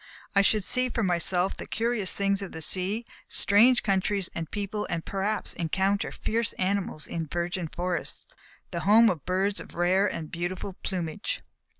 I should see for myself the curious things of the sea, strange countries and people; and perhaps encounter fierce animals in the virgin forests, the home of birds of rare and beautiful plumage.